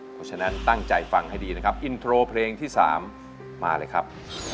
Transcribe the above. เพราะฉะนั้นตั้งใจฟังให้ดีนะครับอินโทรเพลงที่๓มาเลยครับ